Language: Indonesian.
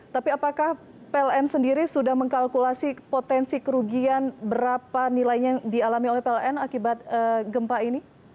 tapi apakah pln sendiri sudah mengkalkulasi potensi kerugian berapa nilainya yang dialami oleh pln akibat gempa ini